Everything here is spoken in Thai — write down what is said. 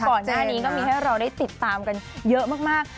ก่อนหน้านี้ก็มีให้เราได้ติดตามกันเยอะมาก